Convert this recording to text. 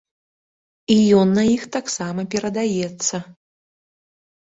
І ён на іх таксама перадаецца.